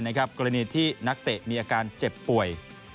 กรณีที่นักเตะมีอาการเจ็บป่วย